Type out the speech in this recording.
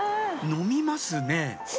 飲みますねぇ！